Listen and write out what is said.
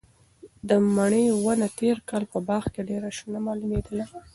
د مڼې ونه تېر کال په باغ کې ډېره شنه معلومېدله.